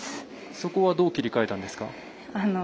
そこはどう切り替えたんですか？